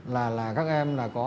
là các em có